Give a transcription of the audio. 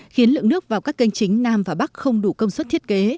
khiến lượng nước vào các kênh chính nam và bắc không đủ công suất thiết kế